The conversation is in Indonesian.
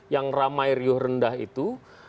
yang ramai riuh rendah itu